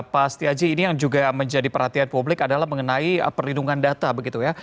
pak setiaji ini yang juga menjadi perhatian publik adalah mengenai perlindungan data begitu ya